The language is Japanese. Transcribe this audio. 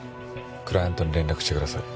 クライアントに連絡してください。